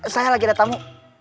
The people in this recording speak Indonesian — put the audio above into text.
saya lagi ada tamu